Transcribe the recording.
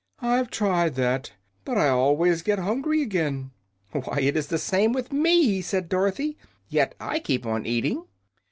"I've tried that, but I always get hungry again." "Why, it is the same with me," said Dorothy. "Yet I keep on eating."